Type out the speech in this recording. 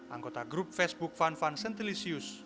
anggota grup facebook fan fan sentelisius